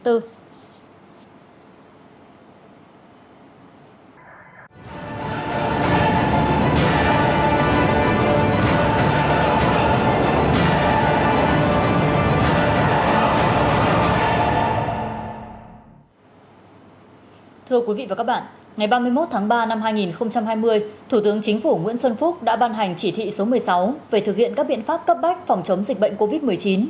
thưa quý vị và các bạn ngày ba mươi một tháng ba năm hai nghìn hai mươi thủ tướng chính phủ nguyễn xuân phúc đã ban hành chỉ thị số một mươi sáu về thực hiện các biện pháp cấp bách phòng chống dịch bệnh covid một mươi chín